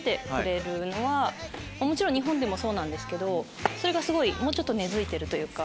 もちろん日本でもそうなんですけどそれがもうちょっと根付いてるというか。